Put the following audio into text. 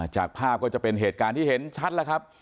จากภาพก็จะเป็นเหตุการณ์ที่เห็นชัดแล้วครับ